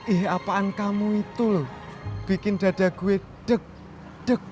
ih apaan kamu itu loh bikin dada gue deg deg